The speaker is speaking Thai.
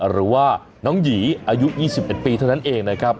หรือว่าน้องหยีอายุ๒๑ปีเท่านั้นเองนะครับ